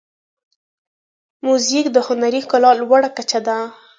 موزیک د هنري ښکلا لوړه کچه ده.